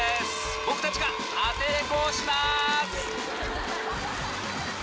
僕たちがアテレコをします。